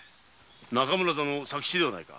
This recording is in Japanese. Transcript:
中村座の左吉ではないか。